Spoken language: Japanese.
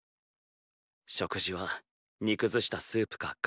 食事は煮崩したスープか粥。